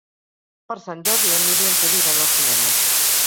Per Sant Jordi en Nil i en Quer iran al cinema.